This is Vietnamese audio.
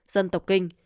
dân tộc kinh